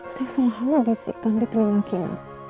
saya selalu disekan di telinga kinar